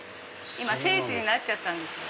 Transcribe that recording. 聖地になっちゃったんですよ。